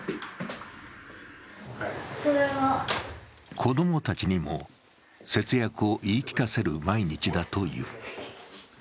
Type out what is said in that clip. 子供たちにも節約を言い聞かせる毎日だという。